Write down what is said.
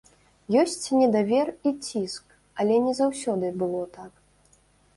Ёсць недавер і ціск, але не заўсёды было так.